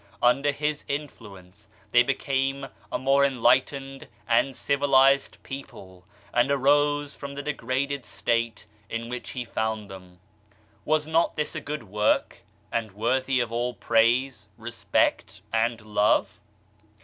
Under his in fluence they became a more enlightened and civilized people and arose from the degraded state in which he found them. Was not this a good work, and worthy of all praise, respect and love